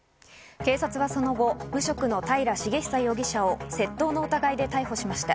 警察はその後、無職の平重壽容疑者を窃盗の疑いで逮捕しました。